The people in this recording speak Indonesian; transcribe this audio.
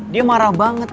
dia marah banget